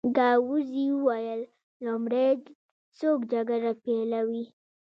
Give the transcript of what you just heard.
ګاووزي وویل: لومړی څوک جګړه پېلوي؟